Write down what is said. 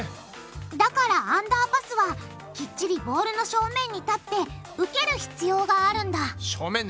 だからアンダーパスはきっちりボールの正面に立って受ける必要があるんだ正面ね。